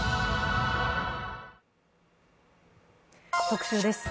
特集です。